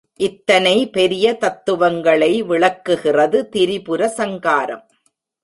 இத்தனை பெரிய தத்துவங்களை விளக்குகிறது திரிபுர சங்காரம்.